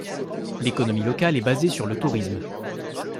L'économie locale est basée sur le tourisme.